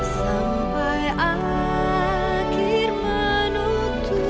sampai akhir menutup